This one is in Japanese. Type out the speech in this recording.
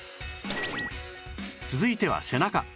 続いては背中